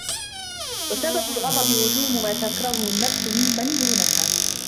وَسَبَبُ الْغَضَبِ هُجُومُ مَا تَكْرَهُهُ النَّفْسُ مِمَّنْ دُونَهَا